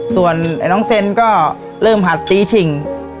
ส่วนน้องเซนก็เริ่มหัดตีฉิ่ง